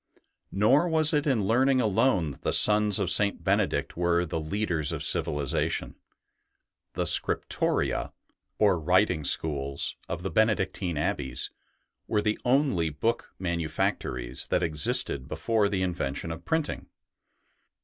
Nor was it in learning alone that the sons of St. Benedict were the leaders of civilization. The scriptoria, or writing schools, of the Benedictine abbeys were the only book manufactories that existed before the in vention of printing.